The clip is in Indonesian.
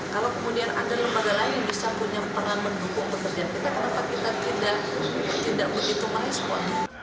kalau kemudian ada lembaga lain yang bisa punya peran mendukung pekerjaan kita kenapa kita tidak begitu mengekspon